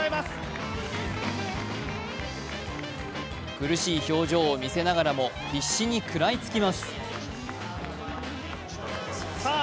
苦しい表情を見せながらも必死に食らいつきます。